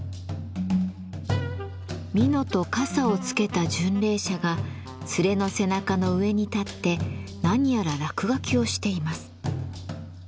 蓑と笠をつけた巡礼者が連れの背中の上に立って何やら落書きをしています。